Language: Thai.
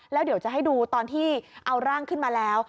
แล้วเดี๋ยวจะให้ดูตอนที่เอาร่างขึ้นมาแล้ว